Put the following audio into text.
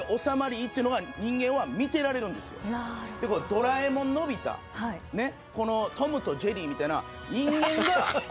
ドラえもんのび太トムとジェリーみたいな人間が好む。